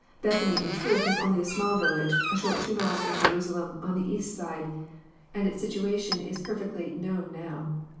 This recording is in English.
Bethany, in truth, was only a small village, a short two miles f^om Jerasa lem, on the east side ; and its situation is perfectly known now.